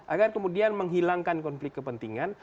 agar kemudian menghilangkan konflik kepentingan